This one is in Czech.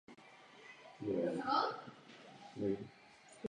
Byla desátým dítětem Rezá Šáha Pahlaví a nevlastní sestrou Muhammada Rezá Pahlaví.